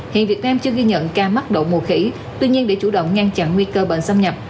hiện việt nam chưa ghi nhận ca mắc đậu mùa khỉ tuy nhiên để chủ động ngăn chặn nguy cơ bệnh xâm nhập